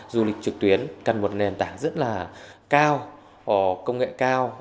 du lịch trực tuyến cần một nền tảng rất là cao công nghệ cao